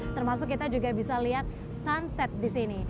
termasuk kita juga bisa lihat sunset disini